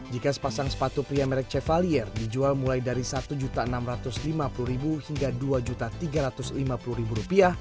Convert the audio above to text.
jika sepasang sepatu pria merek cevalier dijual mulai dari rp satu enam ratus lima puluh hingga rp dua tiga ratus lima puluh